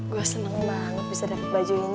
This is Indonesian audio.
gue seneng banget bisa dapet baju ini